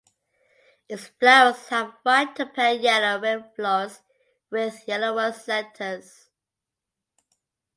Its flowers have white to pale yellow ray florets with yellower centers.